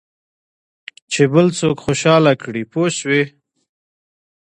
چې بل څوک خوشاله کړې پوه شوې!.